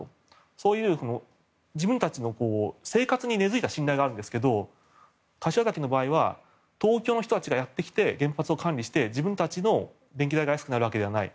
そういう、自分たちの生活に根付いた信頼があるんですが柏崎の場合は東京の人たちがやってきて原発を管理して自分たちの電気代が安くなるわけではない。